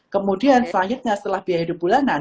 kemudian selanjutnya setelah biaya hidup bulanan